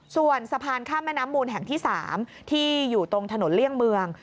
ส่วนสะพานข้ามแม่น้ำมูลแห่งที่๓ที่อยู่ตรงถนนเลี่ยงเมือง